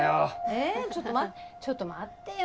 えちょっと待ってちょっと待ってよ。